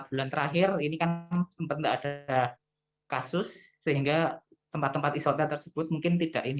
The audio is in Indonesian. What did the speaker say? bulan terakhir ini kan sempat enggak ada kasus sehingga tempat tempat isoter tersebut mungkin tidak ini